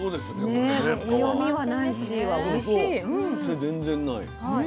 癖全然ない。